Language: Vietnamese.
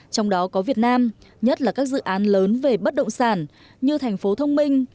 trong đó có việt nam nhất là các dự án lớn về bất động sản như thành phố thông minh